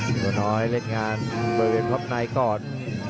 คุณผู้น้อยเล่นงานเปิดเปลี่ยนภาพในก่อน